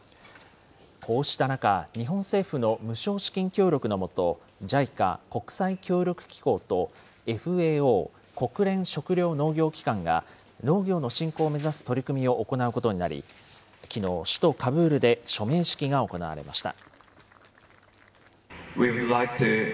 こうした中、日本政府の無償資金協力の下、ＪＩＣＡ・国際協力機構とＦＡＯ・国連食糧農業機関が、農業の振興を目指す取り組みを行うことになり、きのう、首都カブールで署名式が行われました。